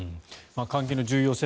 換気の重要性